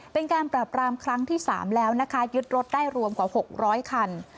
เป็นการปราบรามครั้งที่๓แล้วนะคะยึดรถได้รวมกว่า๖๐๐คัน